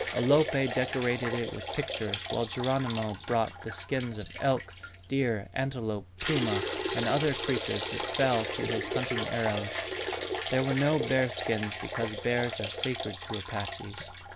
Alope decorated it with pictures while Geronimo brought the skins of elk, deer, antelope, puma, and other creatures that fell to his hunting arrows. There were no bear skins because bears are sacred to Apaches.